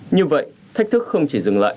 như vậy thách thức không chỉ là năng lượng điện